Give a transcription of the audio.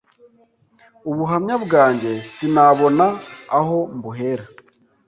Ubuhamya bwanjye sinabona aho mbuhera